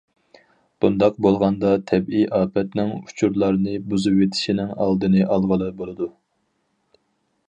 بۇنداق بولغاندا تەبىئىي ئاپەتنىڭ ئۇچۇرلارنى بۇزۇۋېتىشىنىڭ ئالدىنى ئالغىلى بولىدۇ.